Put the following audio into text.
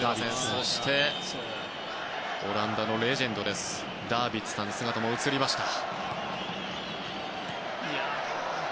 そしてオランダのレジェンドダービッツさんの姿も映りました。